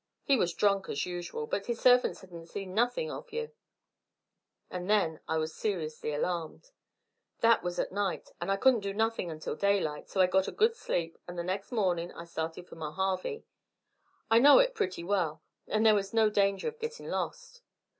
He was drunk as usual, but his servants hedn't seen nothin' of you, and then I was seriously alarmed. That was at night, and I couldn't do nothin' until daylight, so I got a good sleep and the next mornin' I started for Mojave. I know it pretty well, and there was no danger of gittin' lost.